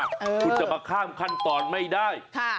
คุณจะมาข้ามขั้นตอนไม่ได้